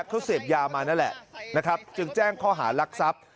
เขาเสพยามานั่นแหละนะครับจึงแจ้งข้อหารักทรัพย์